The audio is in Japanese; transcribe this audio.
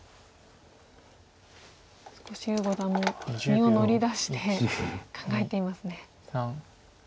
少し呉五段も身を乗り出して考えていますね。